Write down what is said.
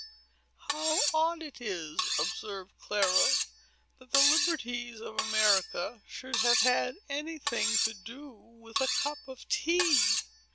"How odd it is," observed Clara, "that the liberties of America should have had any thing to do with a cup of tea!"